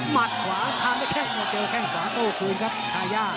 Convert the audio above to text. มัดขวาถามได้แค่หัวเจ๊ค็นหัวโอ้โหคุณทายาท